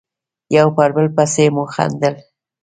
یو پر بل پسې مو خندل.